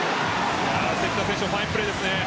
関田選手のファインプレーです。